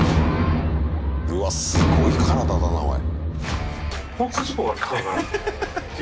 うわっすごい体だなおい。